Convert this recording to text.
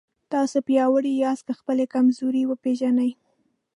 تاسو پیاوړي یاست که خپلې کمزورۍ وپېژنئ.